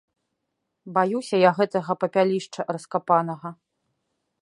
Баюся я гэтага папялішча раскапанага.